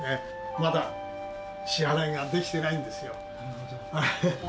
まだ支払いができてないんですよ。